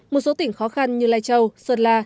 một số tỉnh khó khăn như lai châu sơn la